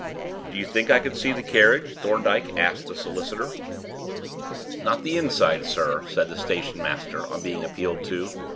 "Do you think I could see the carriage?" Thorndyke asked the solicitor. "Not the inside, sir," said the station master, on being appealed to.